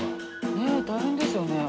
ねえ大変ですよね。